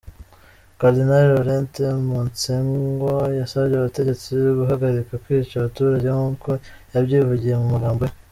Cardinal Laurent Monsengwo yasabye abategetsi guhagarika kwica abaturage nk’uko yabyivugiye mu magambo ye.